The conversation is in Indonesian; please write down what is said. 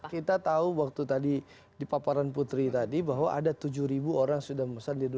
kita tahu waktu tadi di paparan putri tadi bahwa ada tujuh ribu orang sudah memesan di dua ribu dua puluh